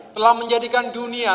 telah menjadikan dunia